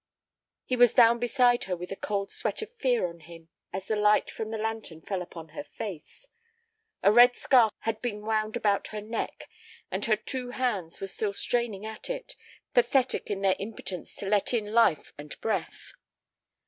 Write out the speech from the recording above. He was down beside her with a cold sweat of fear on him as the light from the lantern fell upon her face. A red scarf had been wound about her neck, and her two hands were still straining at it, pathetic in their impotence to let in life and breath.